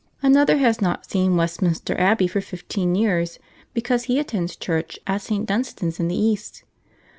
Another has not seen Westminster Abbey for fifteen years, because he attends church at St. Dunstan's in the East.